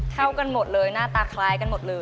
เท่ากันหมดเลยหน้าตาคล้ายกันหมดเลย